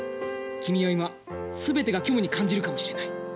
君は今全てが虚無に感じるかもしれない。